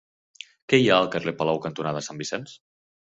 Què hi ha al carrer Palou cantonada Sant Vicenç?